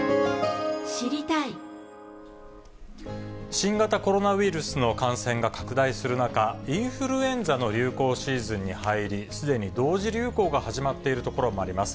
新型コロナウイルスの感染が拡大する中、インフルエンザの流行シーズンに入り、すでに同時流行が始まっている所もあります。